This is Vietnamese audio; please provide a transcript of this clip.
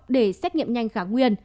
để xét nghiệm nhanh kháng nguyên